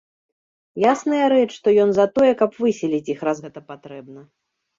Ясная рэч, што ён за тое, каб выселіць іх, раз гэта патрэбна.